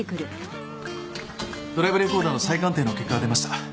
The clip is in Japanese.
ドライブレコーダーの再鑑定の結果が出ました。